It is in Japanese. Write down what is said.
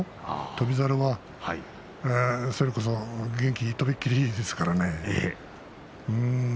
翔猿は、それこそ元気、とびきりいいですからね。